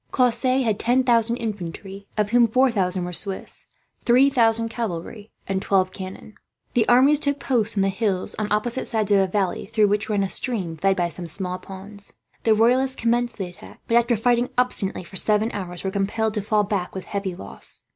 Cosse had ten thousand infantry, of whom four thousand were Swiss; three thousand cavalry, and twelve cannon. The armies took post on the hills on opposite sides of a valley, through which ran a stream fed by some small ponds. The Royalists commenced the attack but, after fighting obstinately for seven hours, were compelled to fall back with heavy loss.